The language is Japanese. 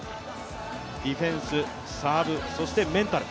ディフェンス、サーブそしてメンタル。